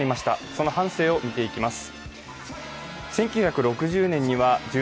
その半生を見ていきます。